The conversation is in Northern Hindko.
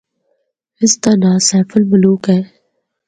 اس دا ناں سیف الملوک اے۔